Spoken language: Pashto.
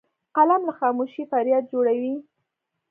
قلم له خاموشۍ فریاد جوړوي